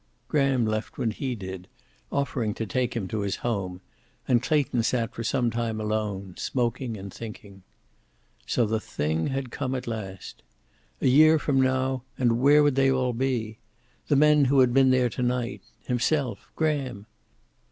Graham left when he did, offering to take him to his home, and Clayton sat for some time alone, smoking and thinking. So the thing had come at last. A year from now, and where would they all be? The men who had been there to night, himself, Graham?